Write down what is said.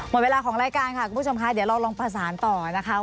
หมดเวลาของรายการค่ะคุณผู้ชมค่ะเดี๋ยวเราลองประสานต่อนะคะ